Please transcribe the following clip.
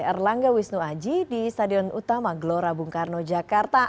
erlangga wisnu aji di stadion utama gelora bung karno jakarta